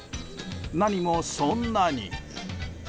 何もそんなに。